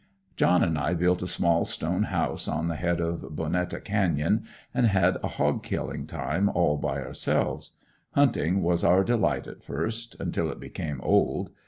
John and I built a small stone house on the head of "Bonetta" Canyon and had a hog killing time all by ourselves. Hunting was our delight at first, until it became old.